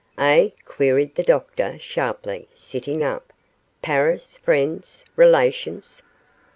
'Eh!' queried the doctor, sharply, sitting up. 'Paris friends relations.